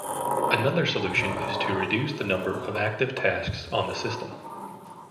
Another solution is to reduce the number of active tasks on the system.